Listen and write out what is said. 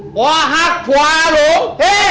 ผัวหักผัวหลง